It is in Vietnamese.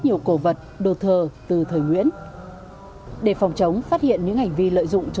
nhiều cổ vật đồ thờ từ thời nguyễn để phòng chống phát hiện những hành vi lợi dụng